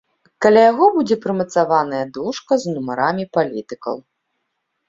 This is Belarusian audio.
Каля яго будзе прымацаваная дошка з нумарамі палітыкаў.